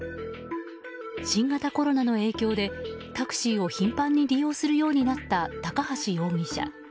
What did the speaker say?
新型コロナの影響でタクシーを頻繁に利用するようになった高橋容疑者。